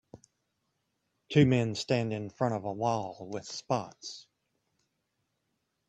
Two men stand in front of a wall with spots.